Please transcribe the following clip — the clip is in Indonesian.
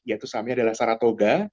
yaitu sahamnya adalah saratoga